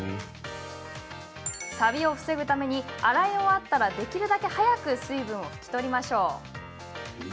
さびを防ぐために洗い終わったら、できるだけ早く水分は拭き取りましょう。